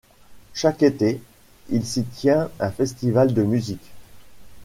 Chaque été il s'y tient un festival de musique.